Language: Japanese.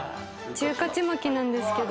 中華ちまきなんですけど。